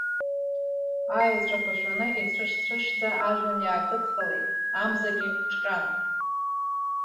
Аеҵәақәа шәаны ицәыш-цәышӡа ажәҩан иаакыдхалеит, амзагьы ҿҟьан.